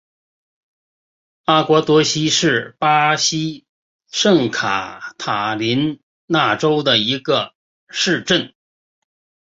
阿瓜多西是巴西圣卡塔琳娜州的一个市镇。